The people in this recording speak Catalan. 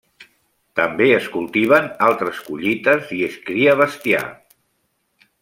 També es cultiven altres collites i es cria bestiar.